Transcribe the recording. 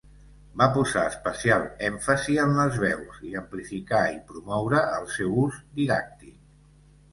Va posar especial èmfasi en les veus, i amplifica i promoure el seu ús didàctic.